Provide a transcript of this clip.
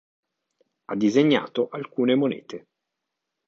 Ha disegnato alcune monete.